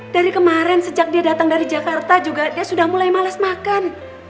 dari kemarin sejak dia datang dari jakarta juga dia sudah mulai males makan